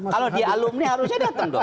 kalau dia alumni harusnya datang dong